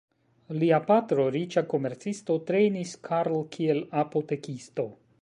Lia patro, riĉa komercisto, trejnis Carl kiel apotekisto.